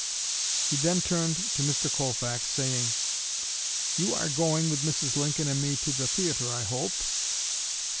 He then turned to Mr. Colfax, saying, "You are going with Mrs. Lincoln and me to the theatre, I hope."